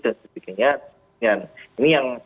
dan ini yang